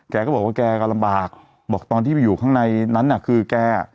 แกก็บอกว่าแกก็ลำบากบอกตอนที่ไปอยู่ข้างในนั้นน่ะคือแก